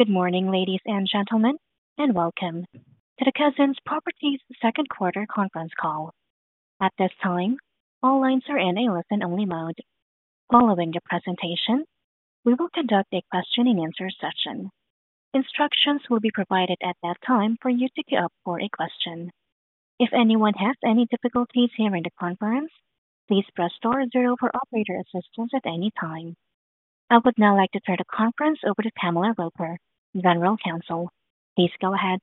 Good morning, ladies and gentlemen, and welcome to the Cousins Properties second quarter conference call. At this time, all lines are in a listen-only mode. Following the presentation, we will conduct a question-and-answer session. Instructions will be provided at that time for you to get up for a question. If anyone has any difficulties hearing the conference, please press star zero for operator assistance at any time. I would now like to turn the conference over to Pamela Roper, General Counsel. Please go ahead.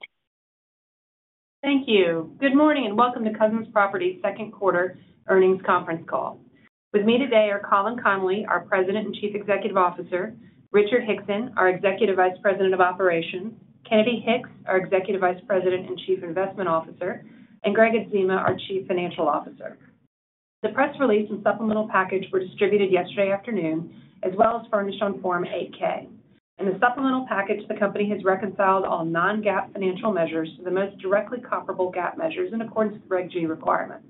Thank you. Good morning and welcome to Cousins Properties second quarter earnings conference call. With me today are Colin Connolly, our President and Chief Executive Officer, Richard Hickson, our Executive Vice President of Operations, Kennedy Hicks, our Executive Vice President and Chief Investment Officer, and Gregg Adzema, our Chief Financial Officer. The press release and supplemental package were distributed yesterday afternoon, as well as furnished on Form 8-K. In the supplemental package, the company has reconciled all non-GAAP financial measures to the most directly comparable GAAP measures in accordance with Reg G requirements.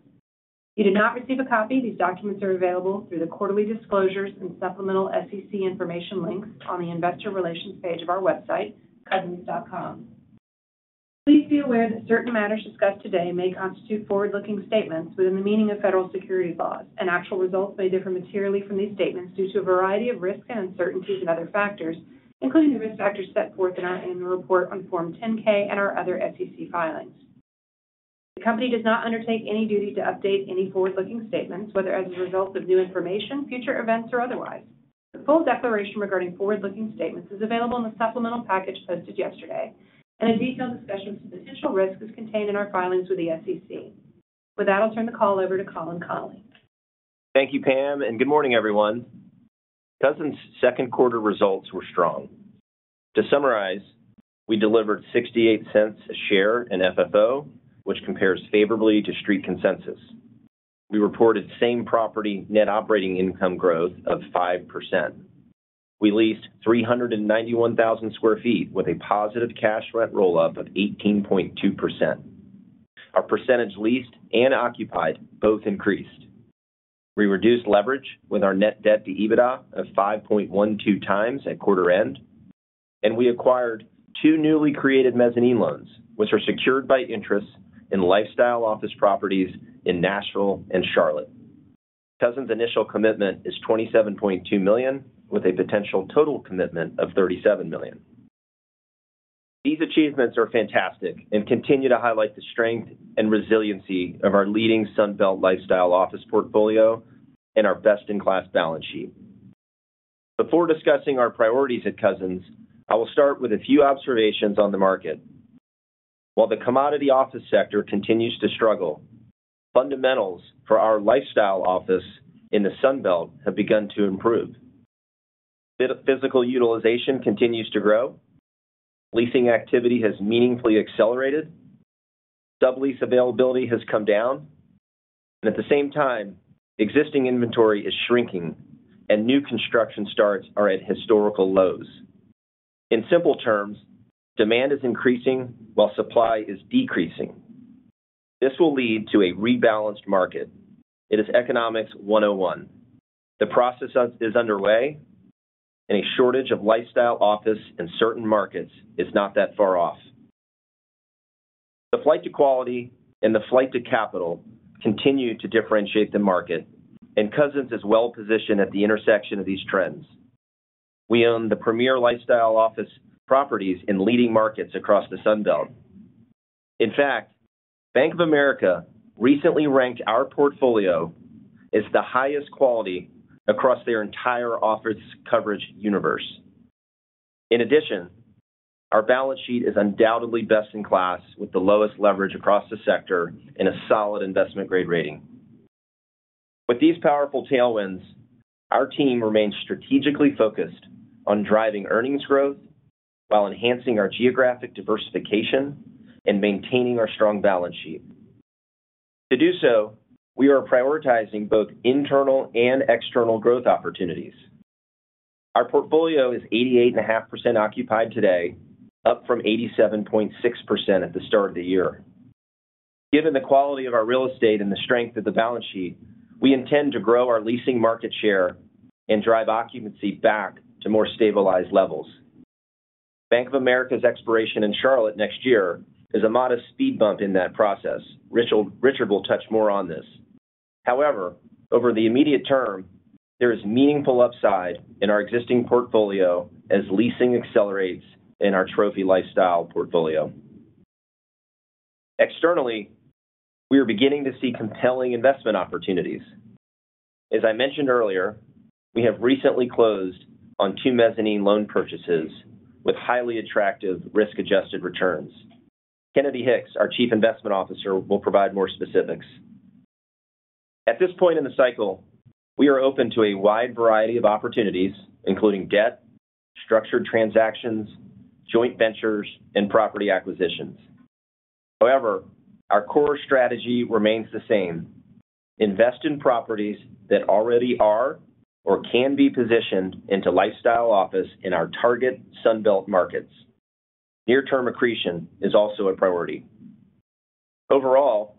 You do not receive a copy. These documents are available through the quarterly disclosures and supplemental SEC information links on the investor relations page of our website, cousins.com. Please be aware that certain matters discussed today may constitute forward-looking statements within the meaning of federal securities laws, and actual results may differ materially from these statements due to a variety of risks and uncertainties and other factors, including the risk factors set forth in our annual report on Form 10-K and our other SEC filings. The company does not undertake any duty to update any forward-looking statements, whether as a result of new information, future events, or otherwise. The full declaration regarding forward-looking statements is available in the supplemental package posted yesterday, and a detailed discussion of some potential risks is contained in our filings with the SEC. With that, I'll turn the call over to Colin Connolly. Thank you, Pam, and good morning, everyone. Cousins' second quarter results were strong. To summarize, we delivered $0.68 a share in FFO, which compares favorably to Street consensus. We reported same property net operating income growth of 5%. We leased 391,000 sq ft with a positive cash rent roll-up of 18.2%. Our percentage leased and occupied both increased. We reduced leverage with our net debt to EBITDA of 5.12 times at quarter end, and we acquired two newly created mezzanine loans, which are secured by interest in lifestyle office properties in Nashville and Charlotte. Cousins' initial commitment is $27.2 million, with a potential total commitment of $37 million. These achievements are fantastic and continue to highlight the strength and resiliency of our leading Sunbelt lifestyle office portfolio and our best-in-class balance sheet. Before discussing our priorities at Cousins, I will start with a few observations on the market. While the commodity office sector continues to struggle, fundamentals for our lifestyle office in the Sunbelt have begun to improve. Physical utilization continues to grow, leasing activity has meaningfully accelerated, sub-lease availability has come down, and at the same time, existing inventory is shrinking and new construction starts are at historical lows. In simple terms, demand is increasing while supply is decreasing. This will lead to a rebalanced market. It is economics 101. The process is underway, and a shortage of lifestyle office in certain markets is not that far off. The flight to quality and the flight to capital continue to differentiate the market, and Cousins is well positioned at the intersection of these trends. We own the premier lifestyle office properties in leading markets across the Sunbelt. In fact, Bank of America recently ranked our portfolio as the highest quality across their entire office coverage universe. In addition, our balance sheet is undoubtedly best in class with the lowest leverage across the sector and a solid investment-grade rating. With these powerful tailwinds, our team remains strategically focused on driving earnings growth while enhancing our geographic diversification and maintaining our strong balance sheet. To do so, we are prioritizing both internal and external growth opportunities. Our portfolio is 88.5% occupied today, up from 87.6% at the start of the year. Given the quality of our real estate and the strength of the balance sheet, we intend to grow our leasing market share and drive occupancy back to more stabilized levels. Bank of America's expiration in Charlotte next year is a modest speed bump in that process. Richard will touch more on this. However, over the immediate term, there is meaningful upside in our existing portfolio as leasing accelerates in our trophy lifestyle portfolio. Externally, we are beginning to see compelling investment opportunities. As I mentioned earlier, we have recently closed on two mezzanine loan purchases with highly attractive risk-adjusted returns. Kennedy Hicks, our Chief Investment Officer, will provide more specifics. At this point in the cycle, we are open to a wide variety of opportunities, including debt, structured transactions, joint ventures, and property acquisitions. However, our core strategy remains the same: invest in properties that already are or can be positioned into lifestyle office in our target Sunbelt markets. Near-term accretion is also a priority. Overall,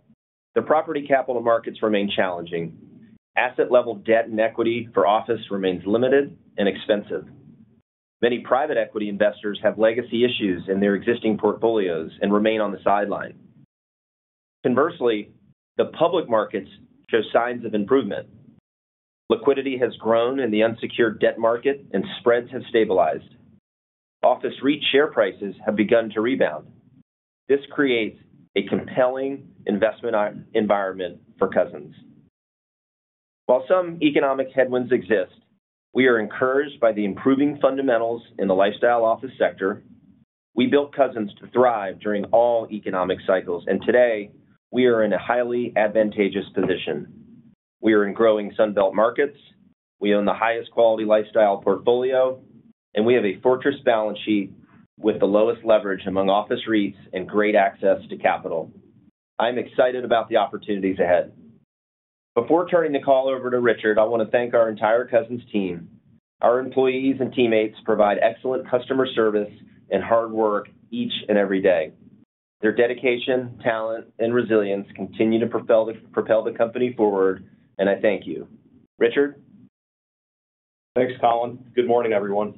the property capital markets remain challenging. Asset-level debt and equity for office remains limited and expensive. Many private equity investors have legacy issues in their existing portfolios and remain on the sidelines. Conversely, the public markets show signs of improvement. Liquidity has grown in the unsecured debt market, and spreads have stabilized. Office REIT share prices have begun to rebound. This creates a compelling investment environment for Cousins. While some economic headwinds exist, we are encouraged by the improving fundamentals in the lifestyle office sector. We built Cousins to thrive during all economic cycles, and today we are in a highly advantageous position. We are in growing Sunbelt markets, we own the highest quality lifestyle portfolio, and we have a fortress balance sheet with the lowest leverage among office REITs and great access to capital. I'm excited about the opportunities ahead. Before turning the call over to Richard, I want to thank our entire Cousins team. Our employees and teammates provide excellent customer service and hard work each and every day. Their dedication, talent, and resilience continue to propel the company forward, and I thank you. Richard? Thanks, Colin. Good morning, everyone.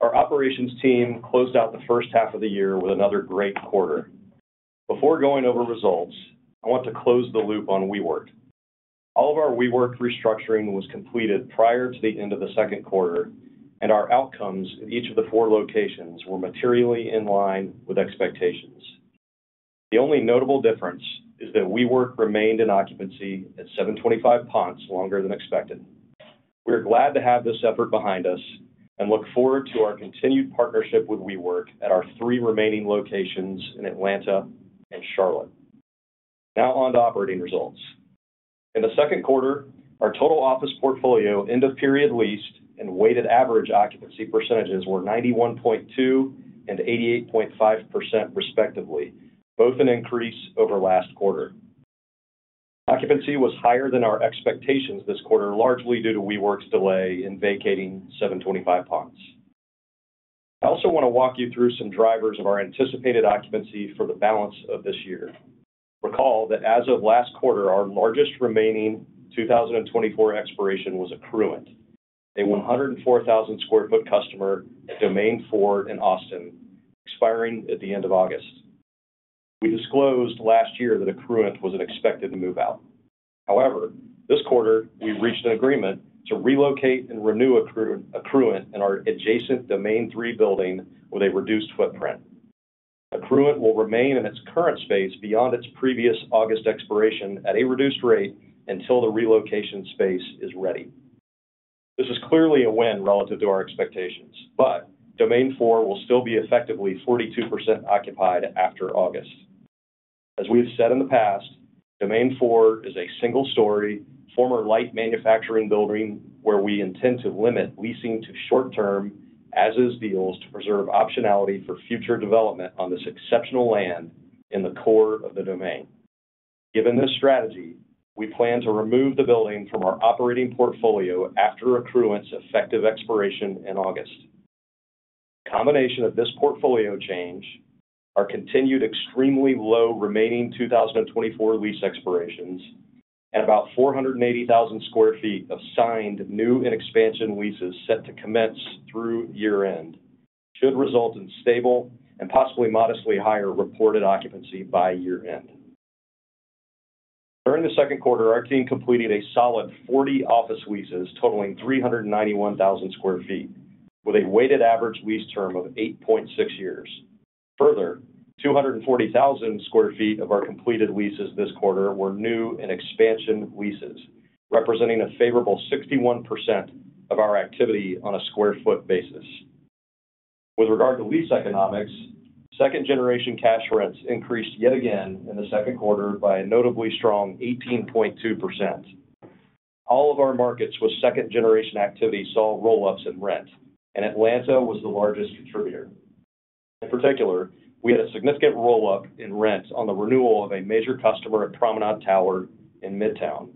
Our operations team closed out the first half of the year with another great quarter. Before going over results, I want to close the loop on WeWork. All of our WeWork restructuring was completed prior to the end of the second quarter, and our outcomes at each of the four locations were materially in line with expectations. The only notable difference is that WeWork remained in occupancy at 725 Ponce longer than expected. We are glad to have this effort behind us and look forward to our continued partnership with WeWork at our three remaining locations in Atlanta and Charlotte. Now on to operating results. In the second quarter, our total office portfolio end-of-period leased and weighted average occupancy percentages were 91.2% and 88.5% respectively, both an increase over last quarter. Occupancy was higher than our expectations this quarter, largely due to WeWork's delay in vacating 725 Ponce. I also want to walk you through some drivers of our anticipated occupancy for the balance of this year. Recall that as of last quarter, our largest remaining 2024 expiration was Accruent, a 104,000 sq ft customer at Domain 4 in Austin, expiring at the end of August. We disclosed last year that Accruent was an expected move-out. However, this quarter, we reached an agreement to relocate and renew Accruent in our adjacent Domain 3 building with a reduced footprint. Accruent will remain in its current space beyond its previous August expiration at a reduced rate until the relocation space is ready. This is clearly a win relative to our expectations, but Domain 4 will still be effectively 42% occupied after August. As we have said in the past, Domain 4 is a single-story, former light manufacturing building where we intend to limit leasing to short-term as-is deals to preserve optionality for future development on this exceptional land in the core of the Domain. Given this strategy, we plan to remove the building from our operating portfolio after Accruent's effective expiration in August. The combination of this portfolio change, our continued extremely low remaining 2024 lease expirations, and about 480,000 sq ft of signed new and expansion leases set to commence through year-end should result in stable and possibly modestly higher reported occupancy by year-end. During the second quarter, our team completed a solid 40 office leases totaling 391,000 sq ft, with a weighted average lease term of 8.6 years. Further, 240,000 sq ft of our completed leases this quarter were new and expansion leases, representing a favorable 61% of our activity on a square foot basis. With regard to lease economics, second-generation cash rents increased yet again in the second quarter by a notably strong 18.2%. All of our markets with second-generation activity saw roll-ups in rent, and Atlanta was the largest contributor. In particular, we had a significant roll-up in rent on the renewal of a major customer at Promenade Tower in Midtown.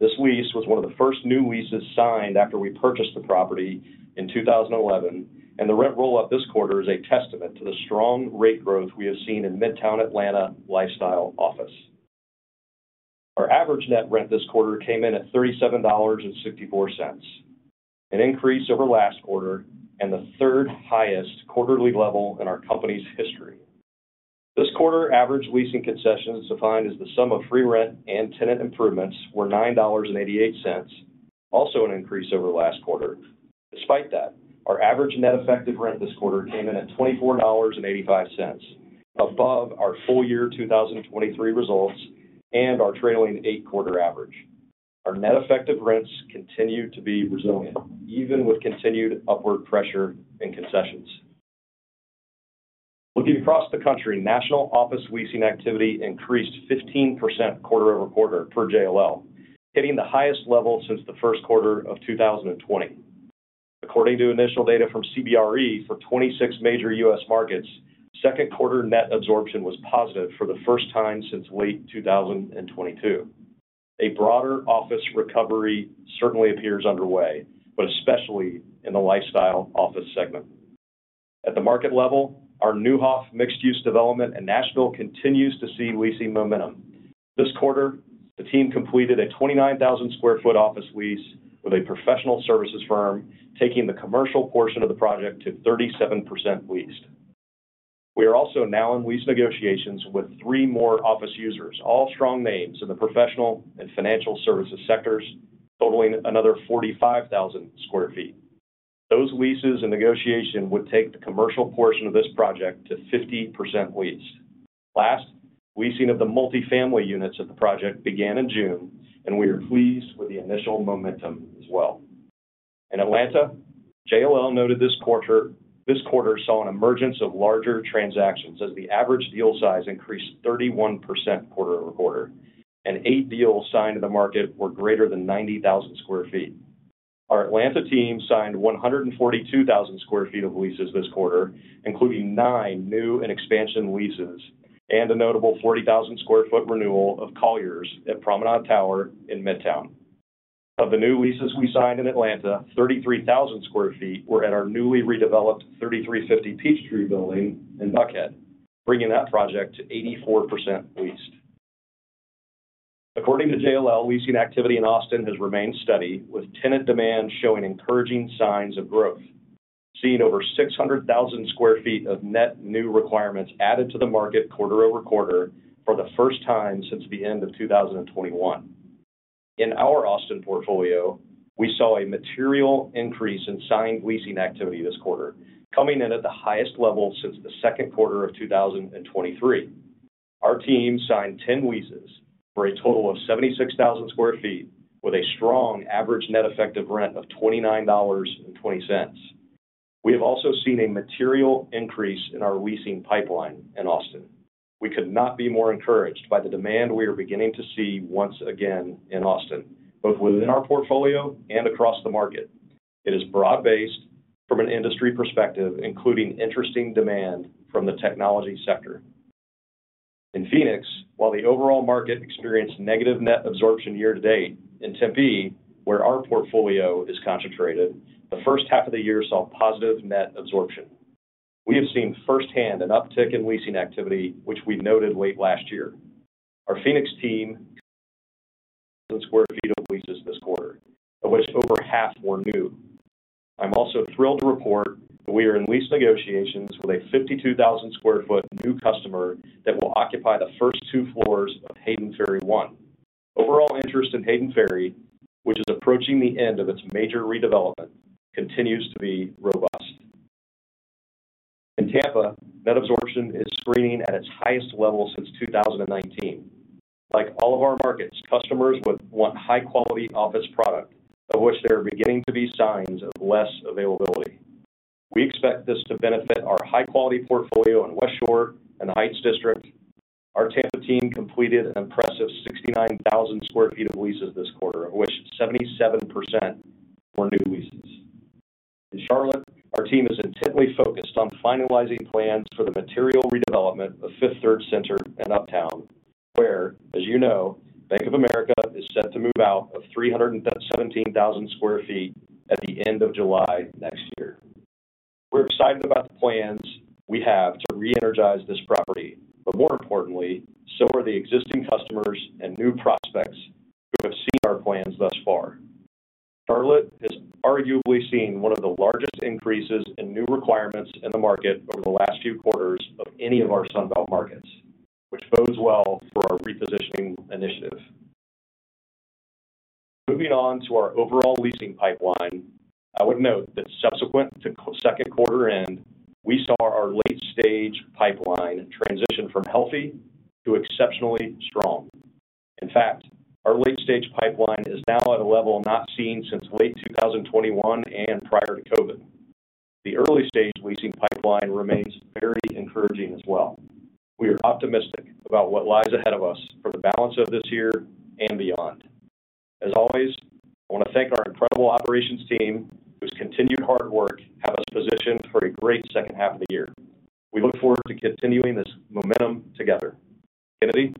This lease was one of the first new leases signed after we purchased the property in 2011, and the rent roll-up this quarter is a testament to the strong rate growth we have seen in Midtown Atlanta lifestyle office. Our average net rent this quarter came in at $37.64, an increase over last quarter and the third highest quarterly level in our company's history. This quarter average leasing concessions defined as the sum of free rent and tenant improvements were $9.88, also an increase over last quarter. Despite that, our average net effective rent this quarter came in at $24.85, above our full year 2023 results and our trailing eight-quarter average. Our net effective rents continue to be resilient, even with continued upward pressure and concessions. Looking across the country, national office leasing activity increased 15% quarter-over-quarter per JLL, hitting the highest level since the first quarter of 2020. According to initial data from CBRE for 26 major U.S. markets, second-quarter net absorption was positive for the first time since late 2022. A broader office recovery certainly appears underway, but especially in the lifestyle office segment. At the market level, our Neuhoff mixed-use development in Nashville continues to see leasing momentum. This quarter, the team completed a 29,000 sq ft office lease with a professional services firm, taking the commercial portion of the project to 37% leased. We are also now in lease negotiations with three more office users, all strong names in the professional and financial services sectors, totaling another 45,000 sq ft. Those leases in negotiation would take the commercial portion of this project to 50% leased. Last, leasing of the multi-family units at the project began in June, and we are pleased with the initial momentum as well. In Atlanta, JLL noted this quarter saw an emergence of larger transactions as the average deal size increased 31% quarter-over-quarter, and eight deals signed to the market were greater than 90,000 sq ft. Our Atlanta team signed 142,000 sq ft of leases this quarter, including nine new and expansion leases and a notable 40,000 sq ft renewal of Colliers at Promenade Tower in Midtown. Of the new leases we signed in Atlanta, 33,000 sq ft were at our newly redeveloped 3350 Peachtree building in Buckhead, bringing that project to 84% leased. According to JLL, leasing activity in Austin has remained steady, with tenant demand showing encouraging signs of growth, seeing over 600,000 sq ft of net new requirements added to the market quarter-over-quarter for the first time since the end of 2021. In our Austin portfolio, we saw a material increase in signed leasing activity this quarter, coming in at the highest level since the second quarter of 2023. Our team signed 10 leases for a total of 76,000 sq ft, with a strong average net effective rent of $29.20. We have also seen a material increase in our leasing pipeline in Austin. We could not be more encouraged by the demand we are beginning to see once again in Austin, both within our portfolio and across the market. It is broad-based from an industry perspective, including interesting demand from the technology sector. In Phoenix, while the overall market experienced negative net absorption year-to-date, in Tempe, where our portfolio is concentrated, the first half of the year saw positive net absorption. We have seen firsthand an uptick in leasing activity, which we noted late last year. Our Phoenix team signed 10,000 sq ft of leases this quarter, of which over half were new. I'm also thrilled to report that we are in lease negotiations with a 52,000 sq ft new customer that will occupy the first two floors of Hayden Ferry One. Overall interest in Hayden Ferry, which is approaching the end of its major redevelopment, continues to be robust. In Tampa, net absorption is screening at its highest level since 2019. Like all of our markets, customers want high-quality office product, of which there are beginning to be signs of less availability. We expect this to benefit our high-quality portfolio in Westshore and the Heights District. Our Tampa team completed an impressive 69,000 sq ft of leases this quarter, of which 77% were new leases. In Charlotte, our team is intently focused on finalizing plans for the material redevelopment of Fifth Third Center in Uptown, where, as you know, Bank of America is set to move out of 317,000 sq ft at the end of July next year. We're excited about the plans we have to re-energize this property, but more importantly, so are the existing customers and new prospects who have seen our plans thus far. Charlotte has arguably seen one of the largest increases in new requirements in the market over the last few quarters of any of our Sunbelt markets, which bodes well for our repositioning initiative. Moving on to our overall leasing pipeline, I would note that subsequent to second quarter end, we saw our late-stage pipeline transition from healthy to exceptionally strong. In fact, our late-stage pipeline is now at a level not seen since late 2021 and prior to COVID. The early-stage leasing pipeline remains very encouraging as well. We are optimistic about what lies ahead of us for the balance of this year and beyond. As always, I want to thank our incredible operations team whose continued hard work has positioned for a great second half of the year. We look forward to continuing this momentum together. Kennedy?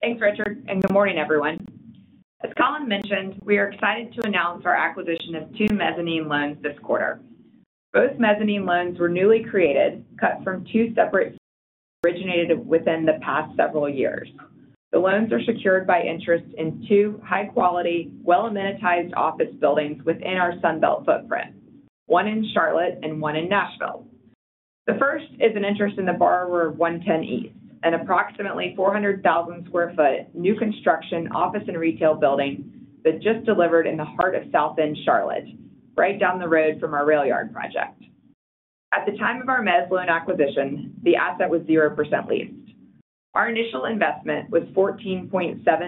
Thanks, Richard, and good morning, everyone. As Colin mentioned, we are excited to announce our acquisition of two mezzanine loans this quarter. Both mezzanine loans were newly created, cut from two separate originations within the past several years. The loans are secured by interest in two high-quality, well-amenitized office buildings within our Sunbelt footprint, one in Charlotte and one in Nashville. The first is an interest in the borrower 110 East, an approximately 400,000 sq ft new construction office and retail building that just delivered in the heart of South End, Charlotte, right down the road from our RailYard project. At the time of our mezz loan acquisition, the asset was 0% leased. Our initial investment was $14.7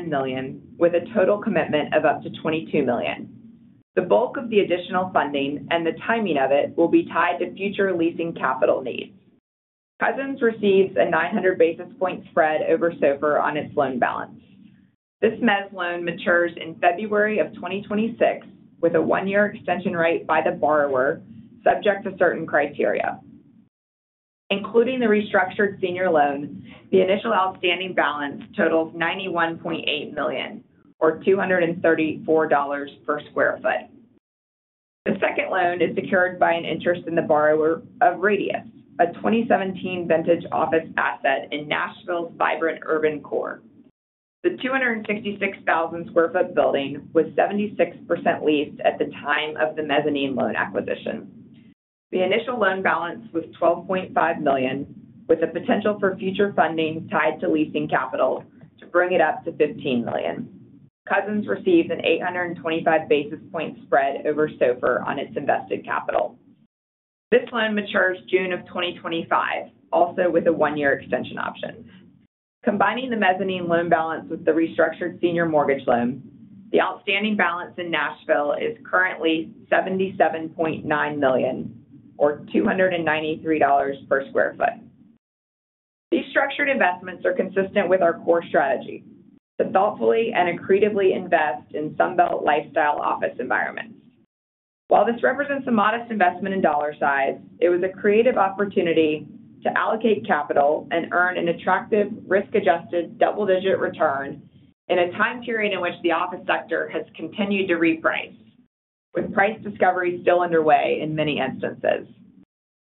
million, with a total commitment of up to $22 million. The bulk of the additional funding and the timing of it will be tied to future leasing capital needs. Cousins receives a 900 basis point spread over SOFR on its loan balance. This mezz loan matures in February of 2026 with a one-year extension rate by the borrower, subject to certain criteria. Including the restructured senior loan, the initial outstanding balance totals $91.8 million, or $234 per sq ft. The second loan is secured by an interest in the Borrower of Radius, a 2017 vintage office asset in Nashville's vibrant urban core. The 266,000 sq ft building was 76% leased at the time of the mezzanine loan acquisition. The initial loan balance was $12.5 million, with a potential for future funding tied to leasing capital to bring it up to $15 million. Cousins receives an 825 basis point spread over SOFR on its invested capital. This loan matures June of 2025, also with a one-year extension option. Combining the mezzanine loan balance with the restructured senior mortgage loan, the outstanding balance in Nashville is currently $77.9 million, or $293 per sq ft. These structured investments are consistent with our core strategy: to thoughtfully and accretively invest in Sunbelt lifestyle office environments. While this represents a modest investment in dollar size, it was a creative opportunity to allocate capital and earn an attractive risk-adjusted double-digit return in a time period in which the office sector has continued to reprice, with price discovery still underway in many instances.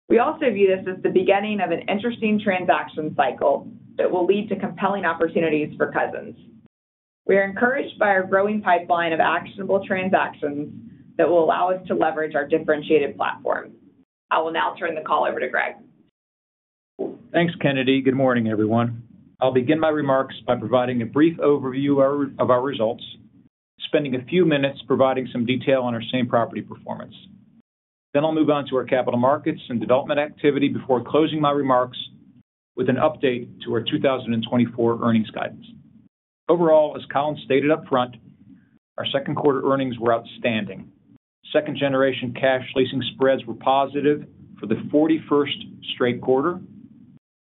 We also view this as the beginning of an interesting transaction cycle that will lead to compelling opportunities for Cousins. We are encouraged by our growing pipeline of actionable transactions that will allow us to leverage our differentiated platform. I will now turn the call over to Gregg. Thanks, Kennedy. Good morning, everyone. I'll begin my remarks by providing a brief overview of our results, spending a few minutes providing some detail on our same property performance. Then I'll move on to our capital markets and development activity before closing my remarks with an update to our 2024 earnings guidance. Overall, as Colin stated upfront, our second quarter earnings were outstanding. Second-generation cash leasing spreads were positive for the 41st straight quarter.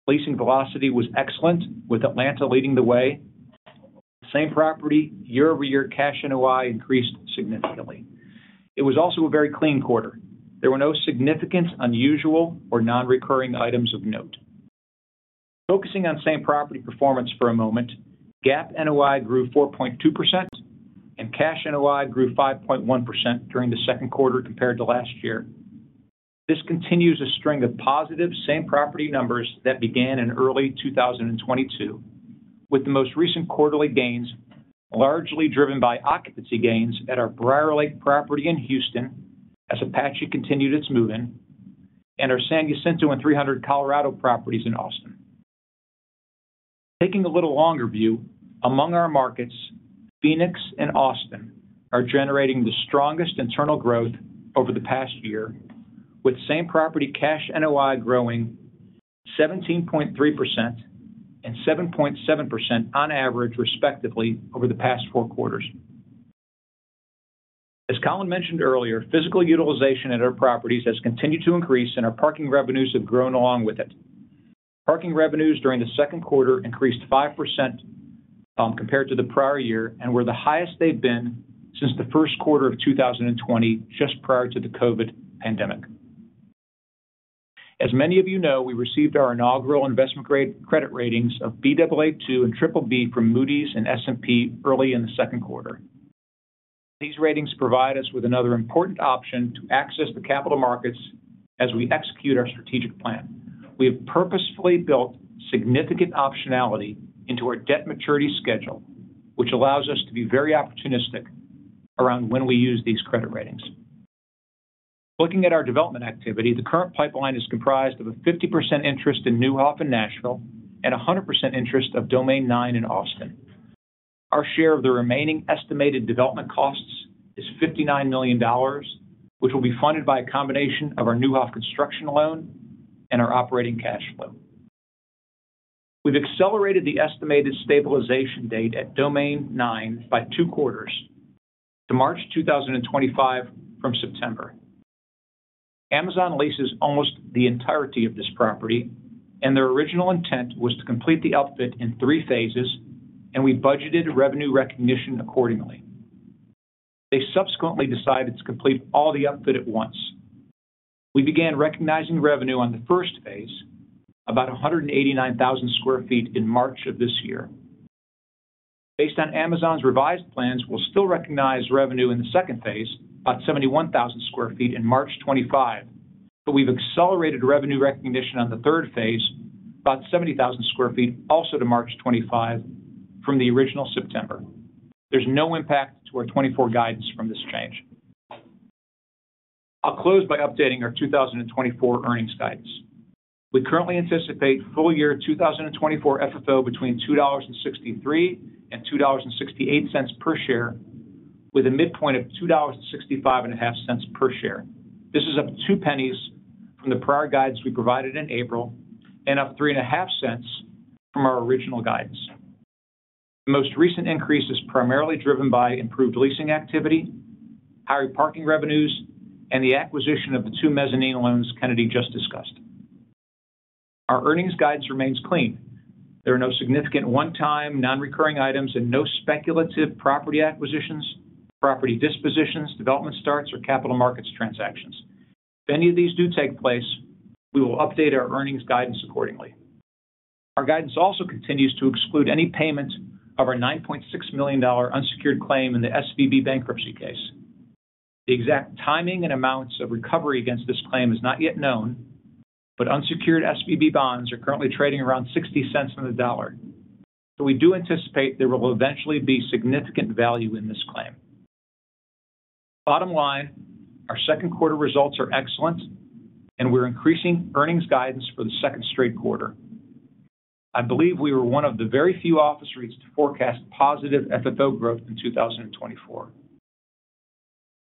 Leasing velocity was excellent, with Atlanta leading the way. Same property, year-over-year cash NOI increased significantly. It was also a very clean quarter. There were no significant, unusual, or non-recurring items of note. Focusing on same property performance for a moment, GAAP NOI grew 4.2%, and cash NOI grew 5.1% during the second quarter compared to last year. This continues a string of positive same property numbers that began in early 2022, with the most recent quarterly gains largely driven by occupancy gains at our BriarLake property in Houston as Apache continued its move-in, and our San Jacinto and 300 Colorado properties in Austin. Taking a little longer view, among our markets, Phoenix and Austin are generating the strongest internal growth over the past year, with same property cash NOI growing 17.3% and 7.7% on average, respectively, over the past four quarters. As Colin mentioned earlier, physical utilization at our properties has continued to increase, and our parking revenues have grown along with it. Parking revenues during the second quarter increased 5% compared to the prior year and were the highest they've been since the first quarter of 2020, just prior to the COVID pandemic. As many of you know, we received our inaugural investment credit ratings of Baa2 and BBB from Moody's and S&P early in the second quarter. These ratings provide us with another important option to access the capital markets as we execute our strategic plan. We have purposefully built significant optionality into our debt maturity schedule, which allows us to be very opportunistic around when we use these credit ratings. Looking at our development activity, the current pipeline is comprised of a 50% interest in Neuhoff in Nashville and a 100% interest of Domain 9 in Austin. Our share of the remaining estimated development costs is $59 million, which will be funded by a combination of our Neuhoff construction loan and our operating cash flow. We've accelerated the estimated stabilization date at Domain 9 by two quarters to March 2025 from September. Amazon leases almost the entirety of this property, and their original intent was to complete the upfit in three phases, and we budgeted revenue recognition accordingly. They subsequently decided to complete all the upfit at once. We began recognizing revenue on the first phase, about 189,000 sq ft in March of this year. Based on Amazon's revised plans, we'll still recognize revenue in the second phase, about 71,000 sq ft in March 2025, but we've accelerated revenue recognition on the third phase, about 70,000 sq ft, also to March 2025 from the original September. There's no impact to our 2024 guidance from this change. I'll close by updating our 2024 earnings guidance. We currently anticipate full year 2024 FFO between $2.63 and $2.68 per share, with a midpoint of $2.655 per share. This is up $0.02 from the prior guidance we provided in April and up $0.035 from our original guidance. The most recent increase is primarily driven by improved leasing activity, higher parking revenues, and the acquisition of the two mezzanine loans Kennedy just discussed. Our earnings guidance remains clean. There are no significant one-time, non-recurring items and no speculative property acquisitions, property dispositions, development starts, or capital markets transactions. If any of these do take place, we will update our earnings guidance accordingly. Our guidance also continues to exclude any payment of our $9.6 million unsecured claim in the SVB bankruptcy case. The exact timing and amounts of recovery against this claim is not yet known, but unsecured SVB bonds are currently trading around 60 cents on the dollar, so we do anticipate there will eventually be significant value in this claim. Bottom line, our second quarter results are excellent, and we're increasing earnings guidance for the second straight quarter. I believe we were one of the very few office REITs to forecast positive FFO growth in 2024.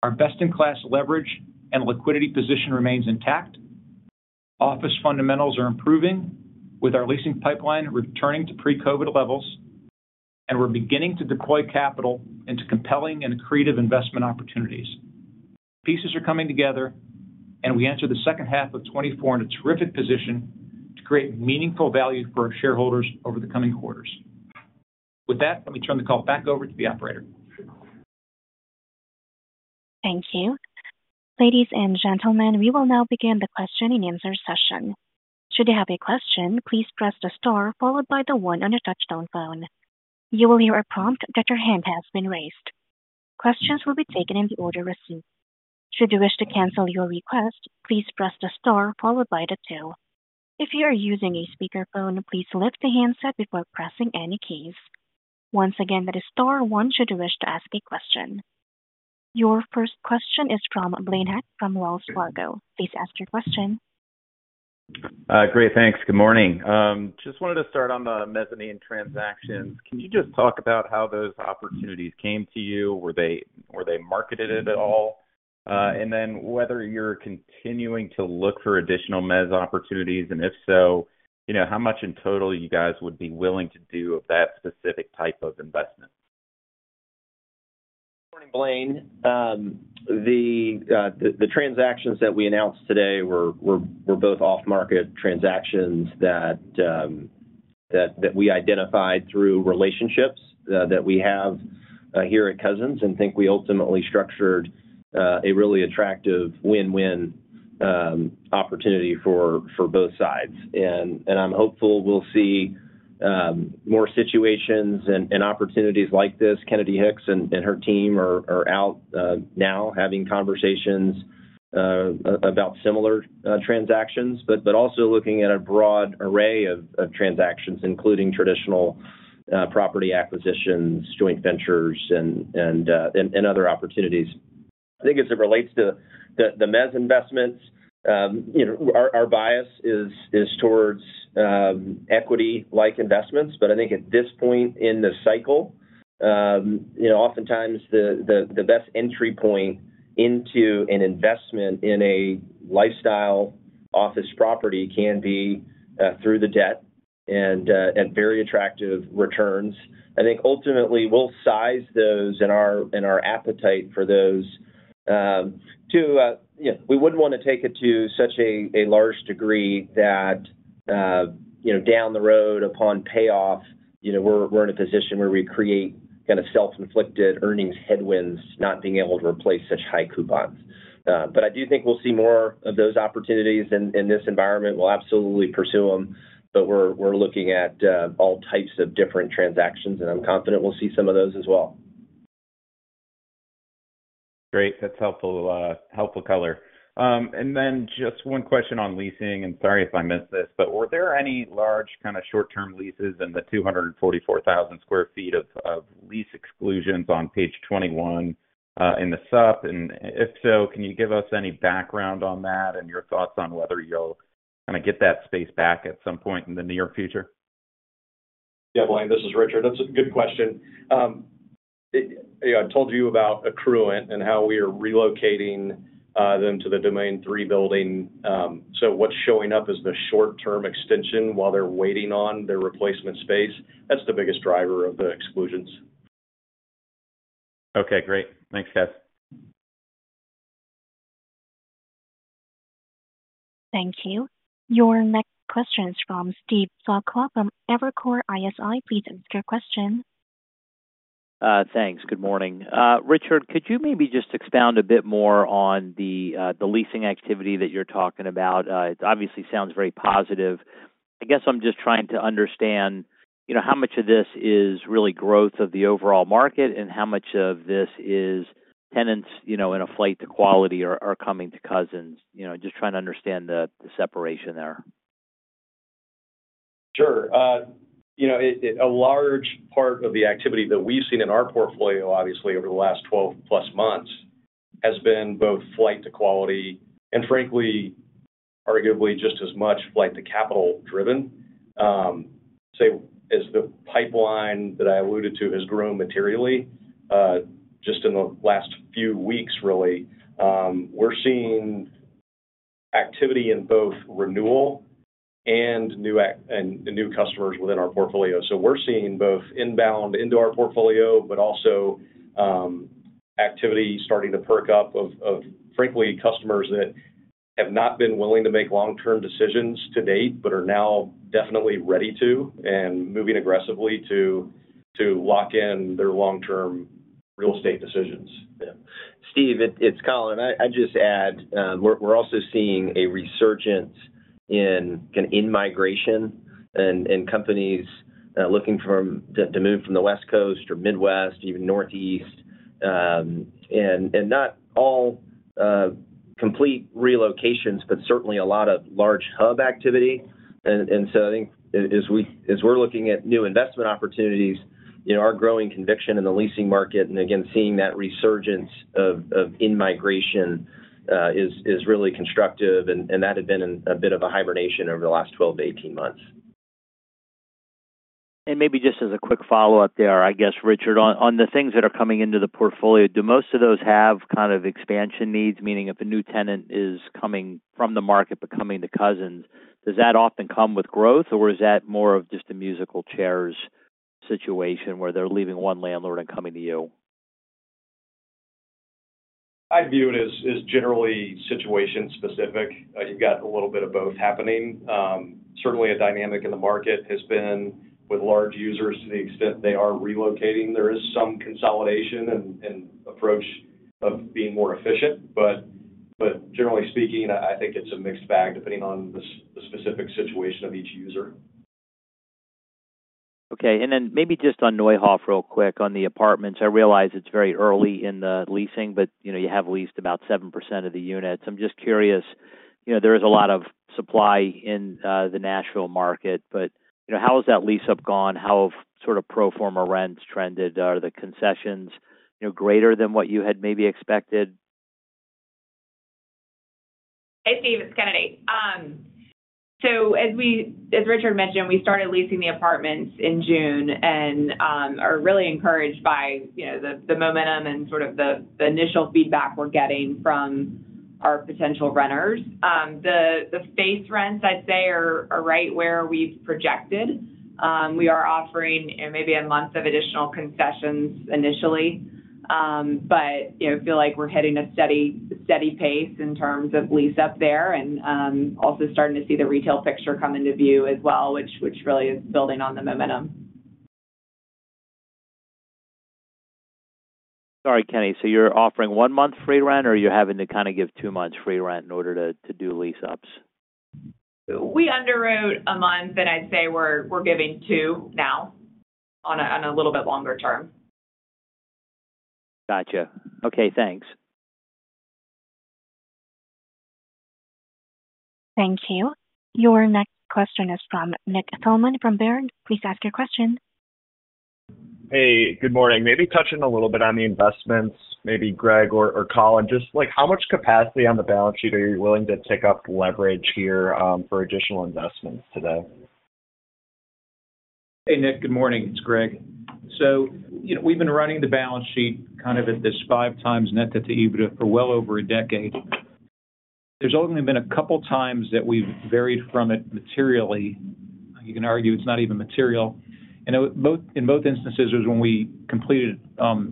Our best-in-class leverage and liquidity position remains intact. Office fundamentals are improving, with our leasing pipeline returning to pre-COVID levels, and we're beginning to deploy capital into compelling and accretive investment opportunities. Pieces are coming together, and we enter the second half of 2024 in a terrific position to create meaningful value for our shareholders over the coming quarters. With that, let me turn the call back over to the operator. Thank you. Ladies and gentlemen, we will now begin the question and answer session. Should you have a question, please press the star followed by the one on your touch-tone phone. You will hear a prompt that your hand has been raised. Questions will be taken in the order received. Should you wish to cancel your request, please press the star followed by the two. If you are using a speakerphone, please lift the handset before pressing any keys. Once again, that is star one should you wish to ask a question. Your first question is from Blaine Heck from Wells Fargo. Please ask your question. Great. Thanks. Good morning. Just wanted to start on the mezzanine transactions. Can you just talk about how those opportunities came to you? Were they marketed at all? And then whether you're continuing to look for additional mezz opportunities, and if so, how much in total you guys would be willing to do of that specific type of investment? Good morning, Blaine. The transactions that we announced today were both off-market transactions that we identified through relationships that we have here at Cousins and think we ultimately structured a really attractive win-win opportunity for both sides. I'm hopeful we'll see more situations and opportunities like this. Kennedy Hicks and her team are out now having conversations about similar transactions, but also looking at a broad array of transactions, including traditional property acquisitions, joint ventures, and other opportunities. I think as it relates to the mezz investments, our bias is towards equity-like investments, but I think at this point in the cycle, oftentimes the best entry point into an investment in a lifestyle office property can be through the debt and at very attractive returns. I think ultimately we'll size those and our appetite for those too. We wouldn't want to take it to such a large degree that down the road upon payoff, we're in a position where we create kind of self-inflicted earnings headwinds, not being able to replace such high coupons. But I do think we'll see more of those opportunities in this environment. We'll absolutely pursue them, but we're looking at all types of different transactions, and I'm confident we'll see some of those as well. Great. That's helpful color. And then just one question on leasing, and sorry if I missed this, but were there any large kind of short-term leases in the 244,000 sq ft of lease exclusions on page 21 in the sub? And if so, can you give us any background on that and your thoughts on whether you'll kind of get that space back at some point in the near future? Yeah, Blaine, this is Richard. That's a good question. I told you about Accruent and how we are relocating them to the Domain 3 building. So what's showing up is the short-term extension while they're waiting on their replacement space. That's the biggest driver of the exclusions. Okay. Great. Thanks, guys. Thank you. Your next question is from Steve Sakwa from Evercore ISI. Please answer your question. Thanks. Good morning. Richard, could you maybe just expound a bit more on the leasing activity that you're talking about? It obviously sounds very positive. I guess I'm just trying to understand how much of this is really growth of the overall market and how much of this is tenants in a flight to quality are coming to Cousins. Just trying to understand the separation there. Sure. A large part of the activity that we've seen in our portfolio, obviously over the last 12+ months, has been both flight to quality and, frankly, arguably just as much flight to capital driven. So as the pipeline that I alluded to has grown materially just in the last few weeks, really, we're seeing activity in both renewal and new customers within our portfolio. So we're seeing both inbound into our portfolio, but also activity starting to perk up of, frankly, customers that have not been willing to make long-term decisions to date but are now definitely ready to and moving aggressively to lock in their long-term real estate decisions. Steve, it's Colin. I'd just add we're also seeing a resurgence in kind of in-migration and companies looking to move from the West Coast or Midwest, even Northeast. And not all complete relocations, but certainly a lot of large hub activity. And so I think as we're looking at new investment opportunities, our growing conviction in the leasing market and, again, seeing that resurgence of in-migration is really constructive, and that had been a bit of a hibernation over the last 12-18 months. Maybe just as a quick follow-up there, I guess, Richard, on the things that are coming into the portfolio, do most of those have kind of expansion needs, meaning if a new tenant is coming from the market but coming to Cousins, does that often come with growth, or is that more of just a musical chairs situation where they're leaving one landlord and coming to you? I view it as generally situation-specific. You've got a little bit of both happening. Certainly, a dynamic in the market has been with large users to the extent they are relocating. There is some consolidation and approach of being more efficient, but generally speaking, I think it's a mixed bag depending on the specific situation of each user. Okay. Then maybe just on Neuhoff real quick on the apartments. I realize it's very early in the leasing, but you have leased about 7% of the units. I'm just curious. There is a lot of supply in the Nashville market, but how has that lease-up gone? How have sort of pro forma rents trended? Are the concessions greater than what you had maybe expected? Hey, Steve. It's Kennedy. So as Richard mentioned, we started leasing the apartments in June and are really encouraged by the momentum and sort of the initial feedback we're getting from our potential renters. The face rents, I'd say, are right where we've projected. We are offering maybe a month of additional concessions initially, but I feel like we're hitting a steady pace in terms of lease-up there and also starting to see the retail picture come into view as well, which really is building on the momentum. Sorry, Kenny. So you're offering one-month free rent, or are you having to kind of give two months free rent in order to do lease-ups? We underwrote 1 month, and I'd say we're giving 2 now on a little bit longer term. Gotcha. Okay. Thanks. Thank you. Your next question is from Nick Thillman from Baird. Please ask your question. Hey. Good morning. Maybe touching a little bit on the investments, maybe Gregg or Colin, just how much capacity on the balance sheet are you willing to take up leverage here for additional investments today? Hey, Nick. Good morning. It's Gregg. So we've been running the balance sheet kind of at this 5x net to EBITDA for well over a decade. There's only been a couple of times that we've varied from it materially. You can argue it's not even material. And in both instances, it was when we completed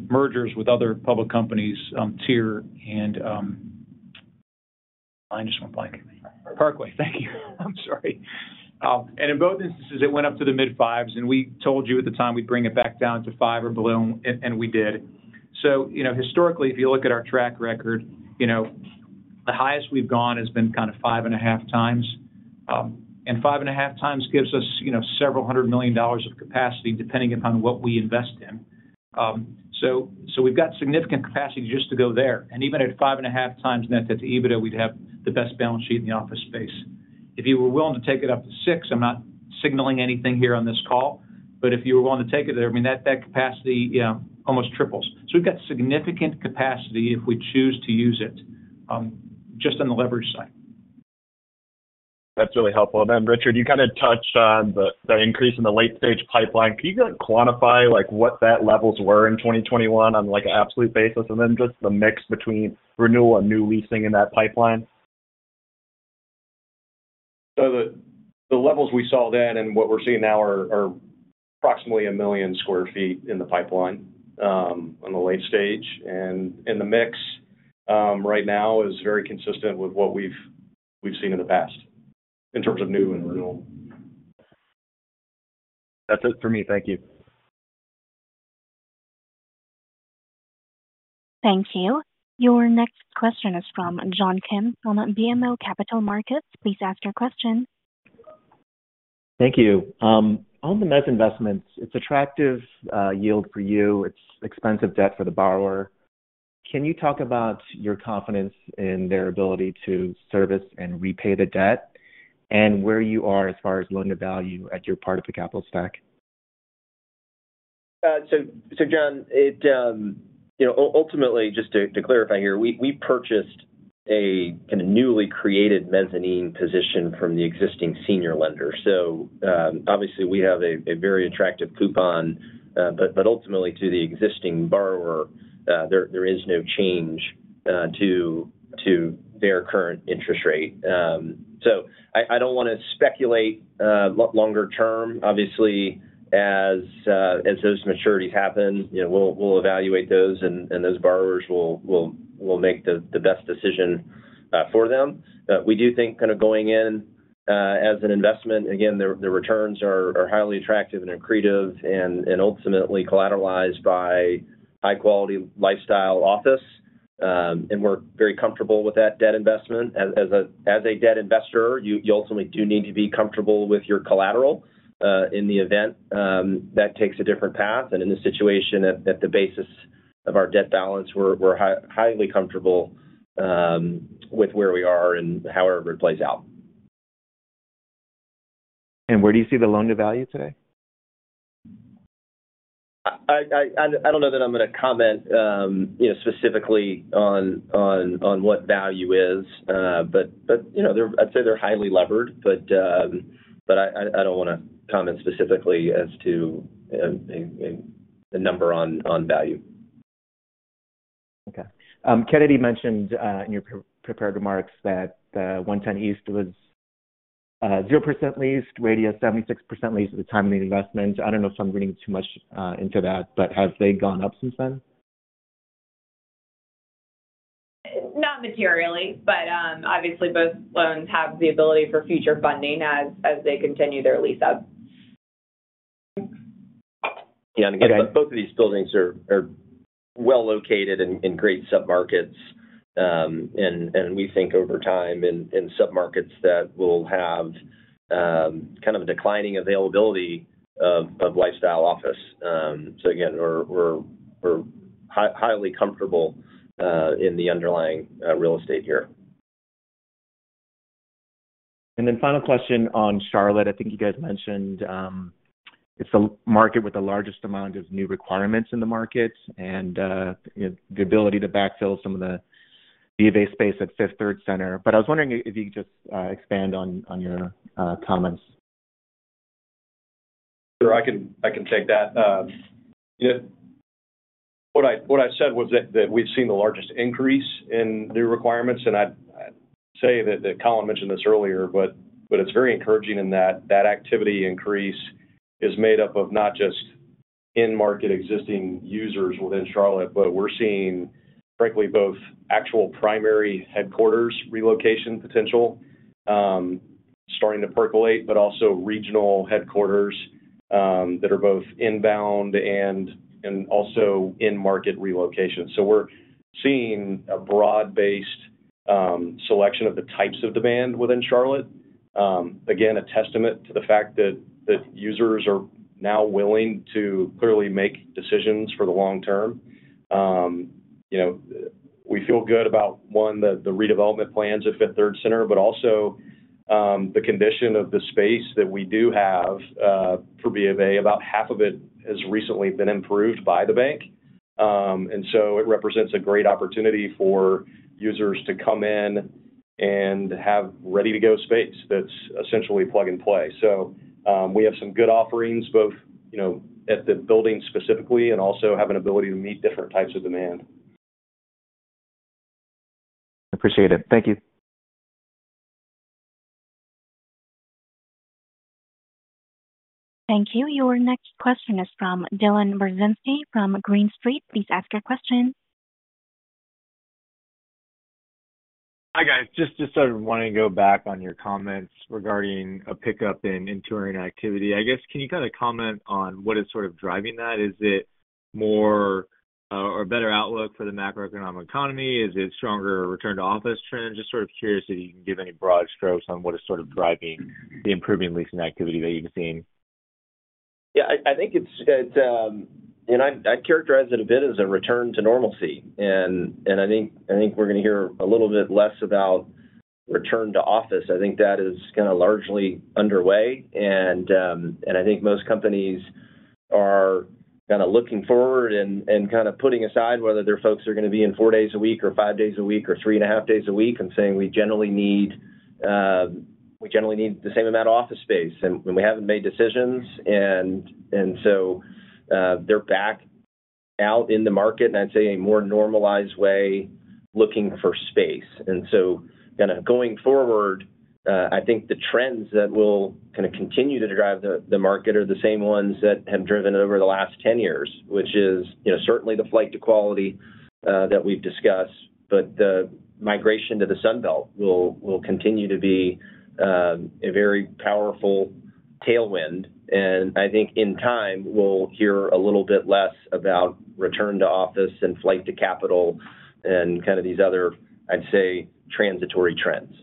mergers with other public companies, Tier and I just went blank. Parkway. Thank you. I'm sorry. And in both instances, it went up to the mid-5s, and we told you at the time we'd bring it back down to 5 or below, and we did. So historically, if you look at our track record, the highest we've gone has been kind of 5.5x. And 5.5x gives us $several hundred million of capacity depending upon what we invest in. We've got significant capacity just to go there. Even at 5.5x net to EBITDA, we'd have the best balance sheet in the office space. If you were willing to take it up to 6, I'm not signaling anything here on this call, but if you were willing to take it there, I mean, that capacity almost triples. We've got significant capacity if we choose to use it just on the leverage side. That's really helpful. And then, Richard, you kind of touched on the increase in the late-stage pipeline. Can you kind of quantify what that levels were in 2021 on an absolute basis and then just the mix between renewal and new leasing in that pipeline? So the levels we saw then and what we're seeing now are approximately 1 million sq ft in the pipeline on the late stage. And the mix right now is very consistent with what we've seen in the past in terms of new and renewal. That's it for me. Thank you. Thank you. Your next question is from John Kim from BMO Capital Markets. Please ask your question. Thank you. On the mezz investments, it's attractive yield for you. It's expensive debt for the borrower. Can you talk about your confidence in their ability to service and repay the debt and where you are as far as loan-to-value at your part of the capital stack? So, John, ultimately, just to clarify here, we purchased a kind of newly created mezzanine position from the existing senior lender. So obviously, we have a very attractive coupon, but ultimately, to the existing borrower, there is no change to their current interest rate. So I don't want to speculate longer term. Obviously, as those maturities happen, we'll evaluate those, and those borrowers will make the best decision for them. We do think kind of going in as an investment, again, the returns are highly attractive and accretive and ultimately collateralized by high-quality lifestyle office. And we're very comfortable with that debt investment. As a debt investor, you ultimately do need to be comfortable with your collateral in the event that takes a different path. In this situation, at the basis of our debt balance, we're highly comfortable with where we are and however it plays out. Where do you see the loan-to-value today? I don't know that I'm going to comment specifically on what value is, but I'd say they're highly levered, but I don't want to comment specifically as to the number on value. Okay. Kennedy mentioned in your prepared remarks that 110 East was 0% leased, rated as 76% leased at the time of the investment. I don't know if I'm reading too much into that, but have they gone up since then? Not materially, but obviously, both loans have the ability for future funding as they continue their lease-up. Yeah. Both of these buildings are well located in great submarkets, and we think over time in submarkets that will have kind of a declining availability of lifestyle office. So again, we're highly comfortable in the underlying real estate here. Then final question on Charlotte. I think you guys mentioned it's the market with the largest amount of new requirements in the market and the ability to backfill some of the VA space at Fifth Third Center. I was wondering if you could just expand on your comments? Sure. I can take that. What I said was that we've seen the largest increase in new requirements, and I'd say that Colin mentioned this earlier, but it's very encouraging in that that activity increase is made up of not just in-market existing users within Charlotte, but we're seeing, frankly, both actual primary headquarters relocation potential starting to percolate, but also regional headquarters that are both inbound and also in-market relocation. So we're seeing a broad-based selection of the types of demand within Charlotte. Again, a testament to the fact that users are now willing to clearly make decisions for the long term. We feel good about, one, the redevelopment plans at Fifth Third Center, but also the condition of the space that we do have for BofA. About half of it has recently been improved by the bank, and so it represents a great opportunity for users to come in and have ready-to-go space that's essentially plug-and-play. So we have some good offerings both at the building specifically and also have an ability to meet different types of demand. Appreciate it. Thank you. Thank you. Your next question is from Dylan Burzinski from Green Street. Please ask your question. Hi, guys. Just sort of wanting to go back on your comments regarding a pickup in touring activity. I guess, can you kind of comment on what is sort of driving that? Is it more or a better outlook for the macroeconomic economy? Is it stronger return-to-office trends? Just sort of curious if you can give any broad strokes on what is sort of driving the improving leasing activity that you've seen. Yeah. I think it's, and I characterize it a bit as a return to normalcy. I think we're going to hear a little bit less about return-to-office. I think that is kind of largely underway, and I think most companies are kind of looking forward and kind of putting aside whether their folks are going to be in four days a week or five days a week or three and a half days a week and saying, "We generally need the same amount of office space," and we haven't made decisions. So they're back out in the market, and I'd say a more normalized way looking for space. So kind of going forward, I think the trends that will kind of continue to drive the market are the same ones that have driven over the last 10 years, which is certainly the flight to quality that we've discussed, but the migration to the Sunbelt will continue to be a very powerful tailwind. I think in time, we'll hear a little bit less about return-to-office and flight to capital and kind of these other, I'd say, transitory trends.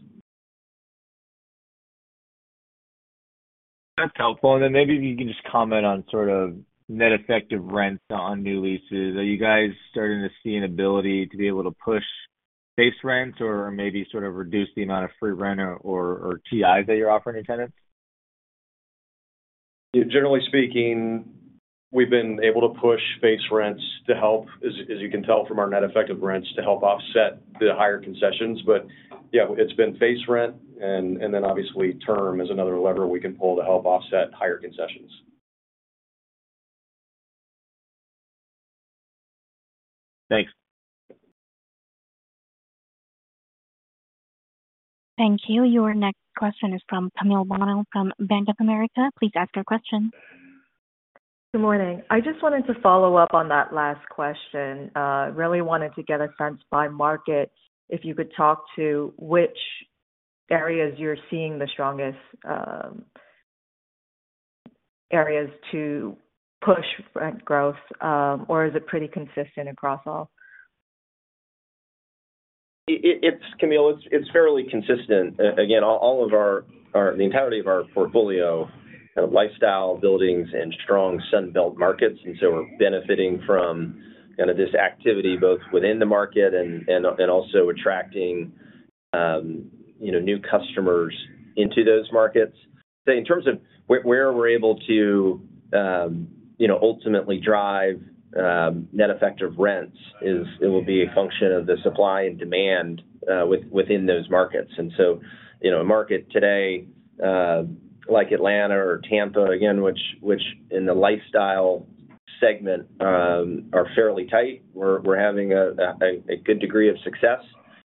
That's helpful. And then maybe if you can just comment on sort of net effective rents on new leases. Are you guys starting to see an ability to be able to push base rents or maybe sort of reduce the amount of free rent or TI that you're offering to tenants? Generally speaking, we've been able to push base rents to help, as you can tell from our net effective rents, to help offset the higher concessions. But yeah, it's been base rent, and then obviously, term is another lever we can pull to help offset higher concessions. Thanks. Thank you. Your next question is from Camille Bonnel from Bank of America. Please ask your question. Good morning. I just wanted to follow up on that last question. Really wanted to get a sense by market if you could talk to which areas you're seeing the strongest areas to push rent growth, or is it pretty consistent across all? It's, Camille, it's fairly consistent. Again, all of the entirety of our portfolio kind of lifestyle buildings and strong Sunbelt markets. And so we're benefiting from kind of this activity both within the market and also attracting new customers into those markets. So in terms of where we're able to ultimately drive net effective rents, it will be a function of the supply and demand within those markets. And so a market today like Atlanta or Tampa, again, which in the lifestyle segment are fairly tight, we're having a good degree of success.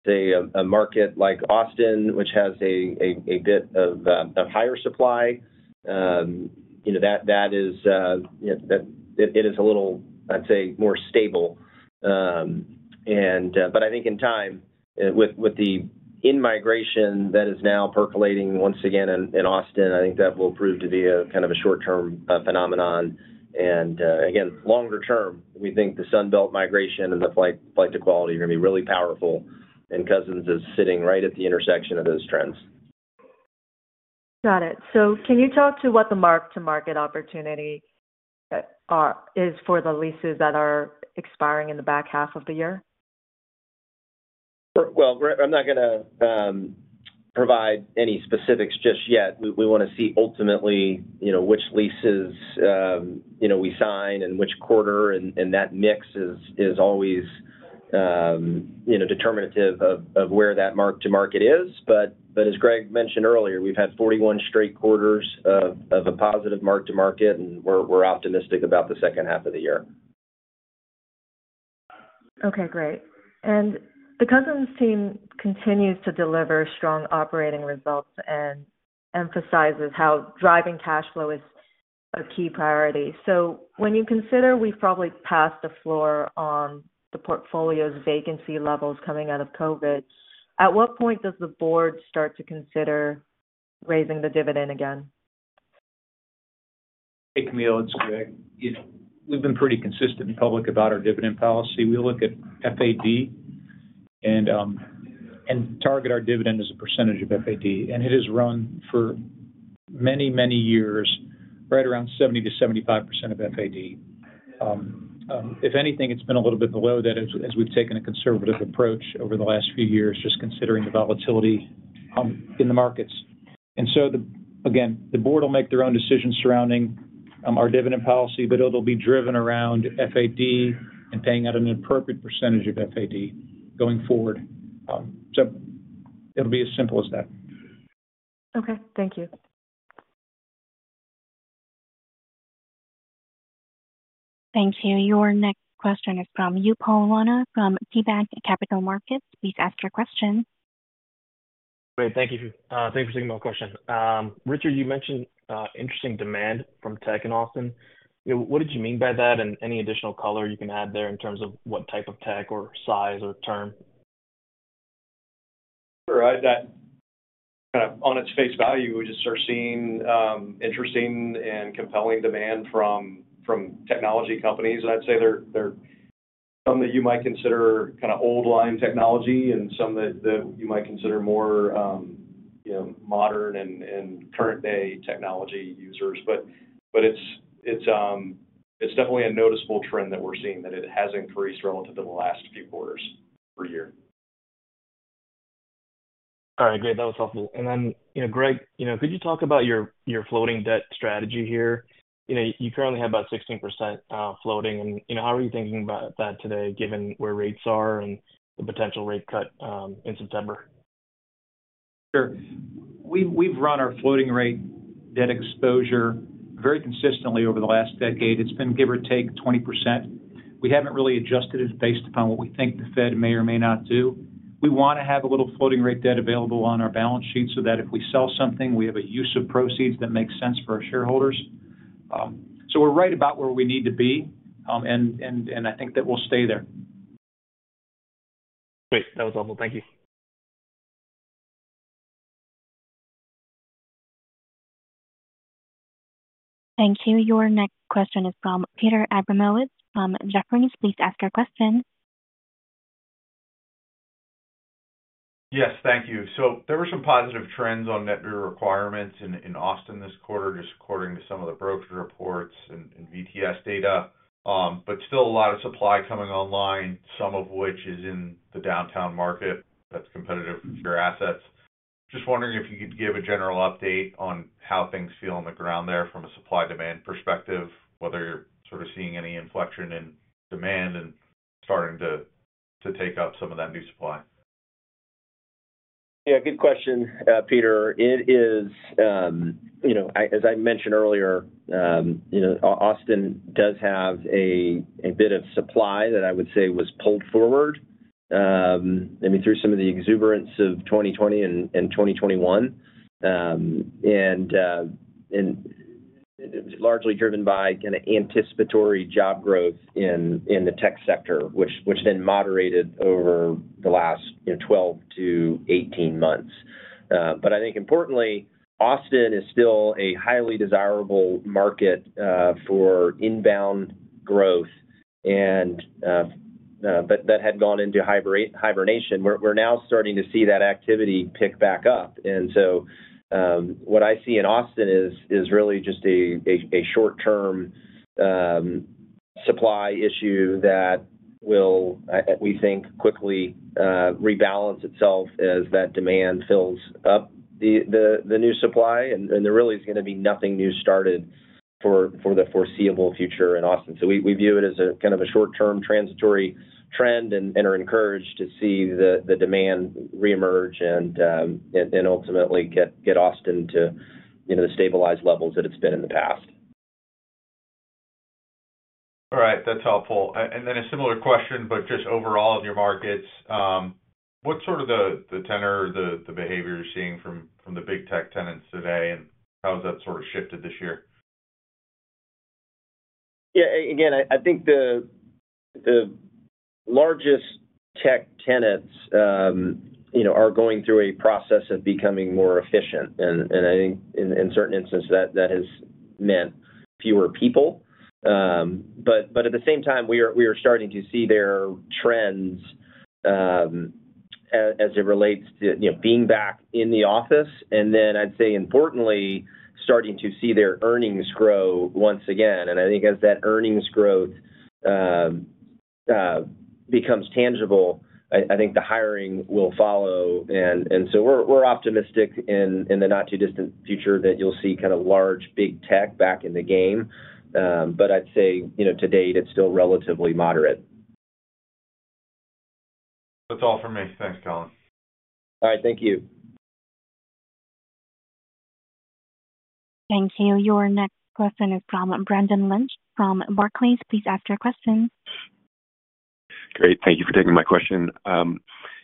A market like Austin, which has a bit of higher supply, that is, it is a little, I'd say, more stable. But I think in time, with the in-migration that is now percolating once again in Austin, I think that will prove to be kind of a short-term phenomenon. And again, longer term, we think the Sunbelt migration and the flight to quality are going to be really powerful, and Cousins is sitting right at the intersection of those trends. Got it. So can you talk to what the mark-to-market opportunity is for the leases that are expiring in the back half of the year? Sure. Well, I'm not going to provide any specifics just yet. We want to see ultimately which leases we sign and which quarter. And that mix is always determinative of where that mark-to-market is. But as Gregg mentioned earlier, we've had 41 straight quarters of a positive mark-to-market, and we're optimistic about the second half of the year. Okay. Great. The Cousins team continues to deliver strong operating results and emphasizes how driving cash flow is a key priority. So when you consider we've probably passed the floor on the portfolio's vacancy levels coming out of COVID, at what point does the board start to consider raising the dividend again? Hey, Camille, it's Gregg. We've been pretty consistent in public about our dividend policy. We look at FAD and target our dividend as a percentage of FAD. It has run for many, many years, right around 70%-75% of FAD. If anything, it's been a little bit below that as we've taken a conservative approach over the last few years just considering the volatility in the markets. So again, the board will make their own decisions surrounding our dividend policy, but it'll be driven around FAD and paying out an appropriate percentage of FAD going forward. It'll be as simple as that. Okay. Thank you. Thank you. Your next question is from Upal Rana from KeyBanc Capital Markets. Please ask your question. Great. Thank you for taking my question. Richard, you mentioned interesting demand from tech in Austin. What did you mean by that? And any additional color you can add there in terms of what type of tech or size or term? Sure. Kind of on its face value, we just are seeing interesting and compelling demand from technology companies. And I'd say there are some that you might consider kind of old-line technology and some that you might consider more modern and current-day technology users. But it's definitely a noticeable trend that we're seeing that it has increased relative to the last few quarters per year. All right. Great. That was helpful. And then Gregg, could you talk about your floating debt strategy here? You currently have about 16% floating. And how are you thinking about that today given where rates are and the potential rate cut in September? Sure. We've run our floating rate debt exposure very consistently over the last decade. It's been give or take 20%. We haven't really adjusted it based upon what we think the Fed may or may not do. We want to have a little floating rate debt available on our balance sheet so that if we sell something, we have a use of proceeds that makes sense for our shareholders. So we're right about where we need to be, and I think that we'll stay there. Great. That was helpful. Thank you. Thank you. Your next question is from Peter Abramowitz from Jefferies. Please ask your question. Yes. Thank you. So there were some positive trends on net requirements in Austin this quarter just according to some of the brokerage reports and VTS data, but still a lot of supply coming online, some of which is in the downtown market that's competitive for your assets. Just wondering if you could give a general update on how things feel on the ground there from a supply-demand perspective, whether you're sort of seeing any inflection in demand and starting to take up some of that new supply? Yeah. Good question, Peter. It is, as I mentioned earlier, Austin does have a bit of supply that I would say was pulled forward, I mean, through some of the exuberance of 2020 and 2021, and largely driven by kind of anticipatory job growth in the tech sector, which then moderated over the last 12-18 months. But I think importantly, Austin is still a highly desirable market for inbound growth, but that had gone into hibernation. We're now starting to see that activity pick back up. And so what I see in Austin is really just a short-term supply issue that will, we think, quickly rebalance itself as that demand fills up the new supply. And there really is going to be nothing new started for the foreseeable future in Austin. So we view it as kind of a short-term transitory trend and are encouraged to see the demand reemerge and ultimately get Austin to the stabilized levels that it's been in the past. All right. That's helpful. And then a similar question, but just overall of your markets, what's sort of the tenor or the behavior you're seeing from the big tech tenants today, and how has that sort of shifted this year? Yeah. Again, I think the largest tech tenants are going through a process of becoming more efficient. I think in certain instances, that has meant fewer people. But at the same time, we are starting to see their trends as it relates to being back in the office. Then I'd say, importantly, starting to see their earnings grow once again. I think as that earnings growth becomes tangible, I think the hiring will follow. So we're optimistic in the not-too-distant future that you'll see kind of large big tech back in the game. But I'd say to date, it's still relatively moderate. That's all for me. Thanks, Colin. All right. Thank you. Thank you. Your next question is from Brendan Lynch from Barclays. Please ask your question. Great. Thank you for taking my question.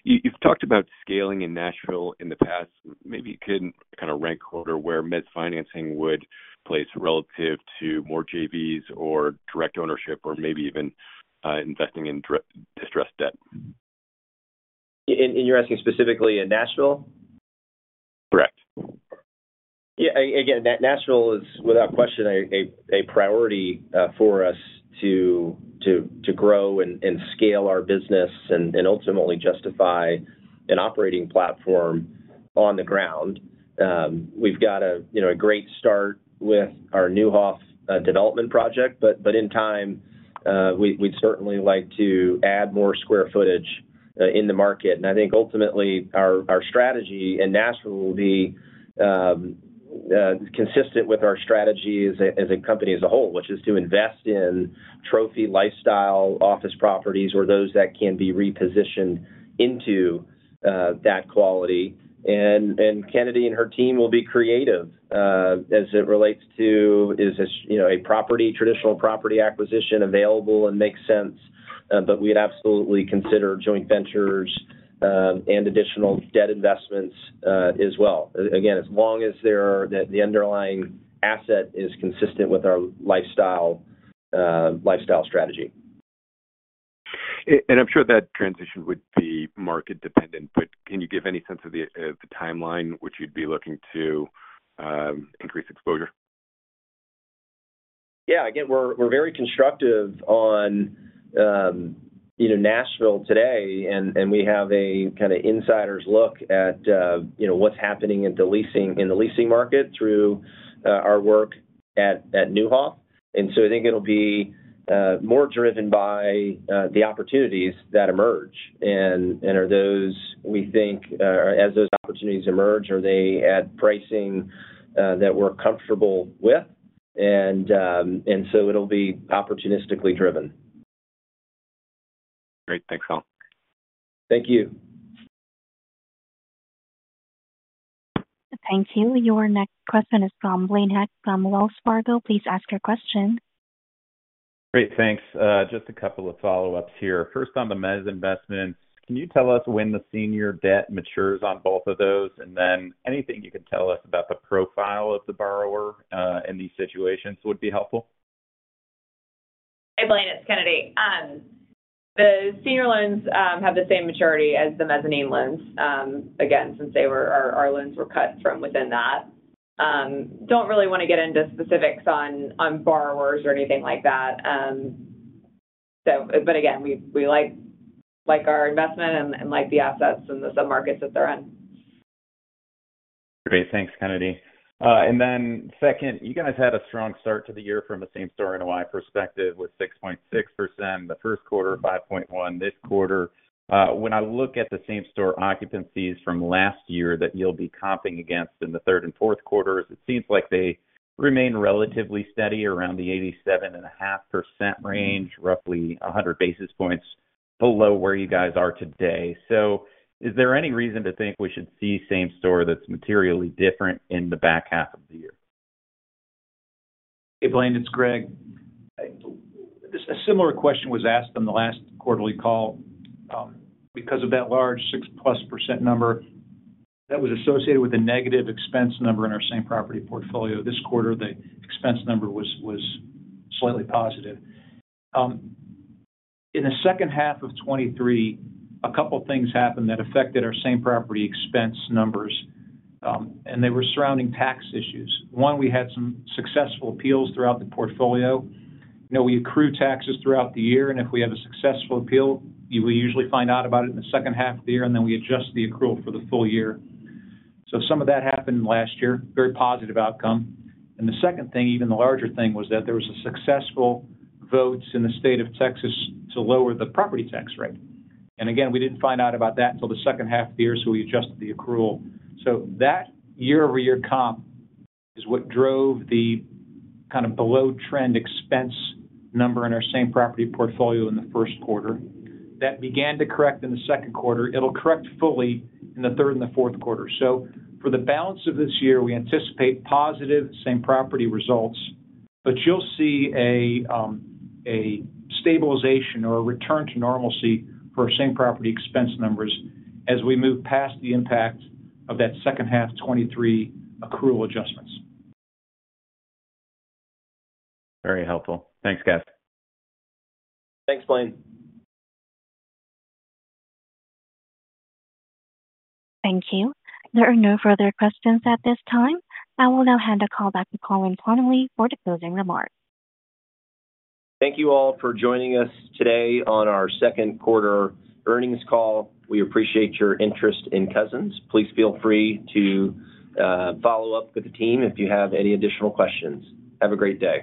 You've talked about scaling in Nashville in the past. Maybe you could kind of rank order where mezz financing would place relative to more JVs or direct ownership or maybe even investing in distressed debt. You're asking specifically in Nashville? Correct. Yeah. Again, Nashville is, without question, a priority for us to grow and scale our business and ultimately justify an operating platform on the ground. We've got a great start with our Neuhoff development project, but in time, we'd certainly like to add more square footage in the market. And I think ultimately, our strategy in Nashville will be consistent with our strategy as a company as a whole, which is to invest in trophy lifestyle office properties or those that can be repositioned into that quality. And Kennedy and her team will be creative as it relates to is a traditional property acquisition available and makes sense. But we'd absolutely consider joint ventures and additional debt investments as well, again, as long as the underlying asset is consistent with our lifestyle strategy. I'm sure that transition would be market-dependent. But can you give any sense of the timeline which you'd be looking to increase exposure? Yeah. Again, we're very constructive on Nashville today, and we have a kind of insider's look at what's happening in the leasing market through our work at Neuhoff. And so I think it'll be more driven by the opportunities that emerge. And we think as those opportunities emerge, are they at pricing that we're comfortable with? And so it'll be opportunistically driven. Great. Thanks, Colin. Thank you. Thank you. Your next question is from Blaine Heck from Wells Fargo. Please ask your question. Great. Thanks. Just a couple of follow-ups here. First, on the mezz investments, can you tell us when the senior debt matures on both of those? And then anything you can tell us about the profile of the borrower in these situations would be helpful. Hey, Blaine. It's Kennedy. The senior loans have the same maturity as the mezzanine loans, again, since our loans were cut from within that. Don't really want to get into specifics on borrowers or anything like that. But again, we like our investment and like the assets and the sub-markets that they're in. Great. Thanks, Kennedy. And then second, you guys had a strong start to the year from a Same Property NOI perspective with 6.6%, the first quarter 5.1%, this quarter. When I look at the Same Property occupancies from last year that you'll be comping against in the third and fourth quarters, it seems like they remain relatively steady around the 87.5% range, roughly 100 basis points below where you guys are today. So is there any reason to think we should see Same Property that's materially different in the back half of the year? Hey, Blaine. It's Gregg. A similar question was asked on the last quarterly call. Because of that large 6+% number that was associated with a negative expense number in our same property portfolio, this quarter, the expense number was slightly positive. In the second half of 2023, a couple of things happened that affected our same property expense numbers, and they were surrounding tax issues. One, we had some successful appeals throughout the portfolio. We accrue taxes throughout the year, and if we have a successful appeal, we usually find out about it in the second half of the year, and then we adjust the accrual for the full year. So some of that happened last year, very positive outcome. And the second thing, even the larger thing, was that there were successful votes in the state of Texas to lower the property tax rate. And again, we didn't find out about that until the second half of the year, so we adjusted the accrual. So that year-over-year comp is what drove the kind of below-trend expense number in our same property portfolio in the first quarter. That began to correct in the second quarter. It'll correct fully in the third and the fourth quarter. So for the balance of this year, we anticipate positive same property results, but you'll see a stabilization or a return to normalcy for our same property expense numbers as we move past the impact of that second half of 2023 accrual adjustments. Very helpful. Thanks, guys. Thanks, Blaine. Thank you. There are no further questions at this time. I will now hand the call back to Colin Connolly for the closing remarks. Thank you all for joining us today on our second quarter earnings call. We appreciate your interest in Cousins. Please feel free to follow up with the team if you have any additional questions. Have a great day.